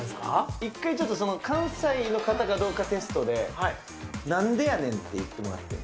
一回ちょっと、関西の方かどうかテストで、なんでやねんって言ってもらって。